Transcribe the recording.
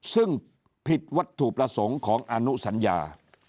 ซึ่งผิดวัตถุประสงค์ของอนุสัญญา